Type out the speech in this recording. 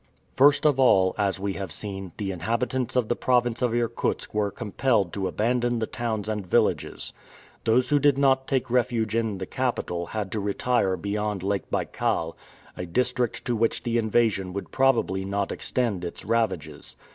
First of all, as we have seen, the inhabitants of the province of Irkutsk were compelled to abandon the towns and villages. Those who did not take refuge in the capital had to retire beyond Lake Baikal, a district to which the invasion would probably not extend its ravages.